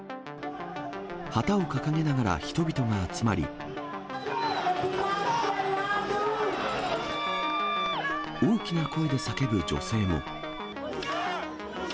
旗を掲げながら人々が集まり、大きな声で叫ぶ女性も。